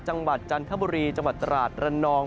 จังหวัดจันทบุรีจังหวัดตราดระนอง